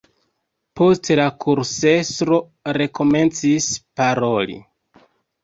Poste la kursestro rekomencis paroli.